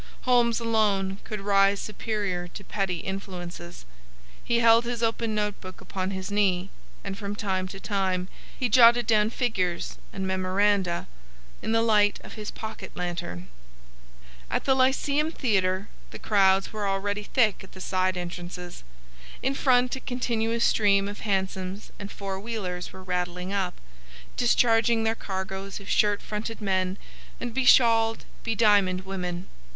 Holmes alone could rise superior to petty influences. He held his open note book upon his knee, and from time to time he jotted down figures and memoranda in the light of his pocket lantern. At the Lyceum Theatre the crowds were already thick at the side entrances. In front a continuous stream of hansoms and four wheelers were rattling up, discharging their cargoes of shirt fronted men and beshawled, bediamonded women.